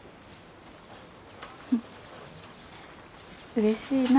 うれしいな。